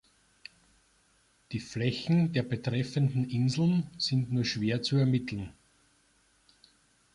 Die Flächen der betreffenden Inseln sind nur schwer zu ermitteln.